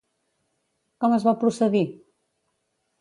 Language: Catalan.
Com es va procedir?